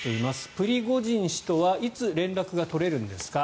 プリゴジン氏とはいつ連絡が取れるんですか。